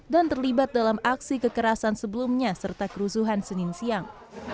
dan terlibat dalam aksi kekerasan sebelumnya serta kerusuhan senin siang